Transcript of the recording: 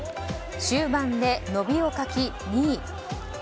終盤で伸びを欠き２位。